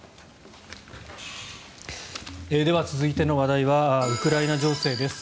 では、続いての話題はウクライナ情勢です。